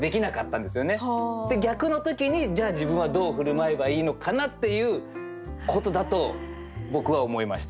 で逆の時にじゃあ自分はどう振る舞えばいいのかなっていうことだと僕は思いました。